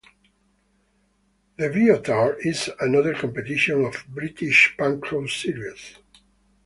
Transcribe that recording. The "Biotar" is another competitor of British Panchro series.